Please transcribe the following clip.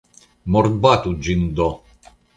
Mortbatu ĝin do!